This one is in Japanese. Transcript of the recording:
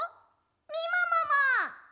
みももも。